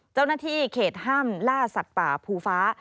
เจ้าหน้าที่เขตห้ามล่าสัตว์ป่าภูฟ้า